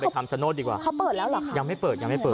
คำชโนธดีกว่าเขาเปิดแล้วเหรอคะยังไม่เปิดยังไม่เปิด